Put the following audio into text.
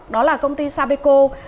đó là công ty sapeco